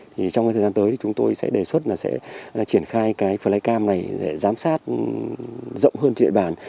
trong thời gian tới thì chúng tôi sẽ đề xuất là sẽ triển khai cái flycam này để giám sát rộng hơn trên địa bàn